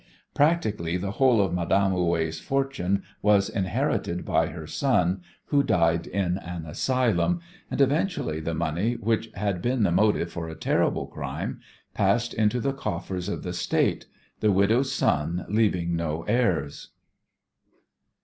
Practically the whole of Madame Houet's fortune was inherited by her son, who died in an asylum, and eventually the money which had been the motive for a terrible crime passed into the coffers of the state, the widow's son leaving no heirs.